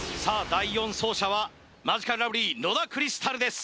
第４走者はマヂカルラブリー野田クリスタルです